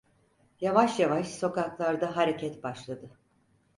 Yavaş yavaş sokaklarda hareket başladı.